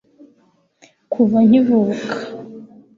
kuva nkivuka